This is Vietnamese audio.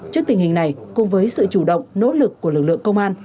trước tình hình này cùng với sự chủ động nỗ lực của lực lượng công an